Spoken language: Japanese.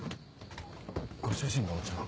ご主人がお茶を？